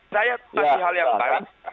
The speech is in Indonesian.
saya masih hal yang baik